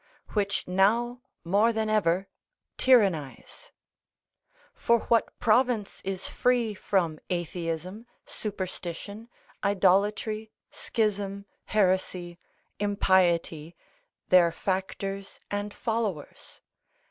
which now more than ever tyrannise; for what province is free from atheism, superstition, idolatry, schism, heresy, impiety, their factors and followers?